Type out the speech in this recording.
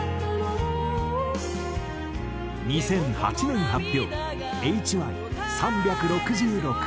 ２００８年発表ＨＹ『３６６日』。